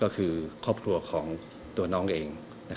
ก็คือครอบครัวของตัวน้องเอง